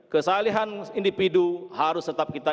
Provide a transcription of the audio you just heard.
kesalahan individu harus tetap kita